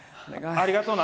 ありがとうな。